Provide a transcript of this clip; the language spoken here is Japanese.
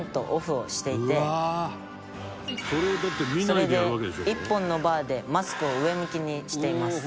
「それで１本のバーでマスクを上向きにしています」